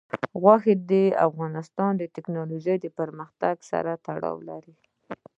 غوښې د افغانستان د تکنالوژۍ پرمختګ سره تړاو لري.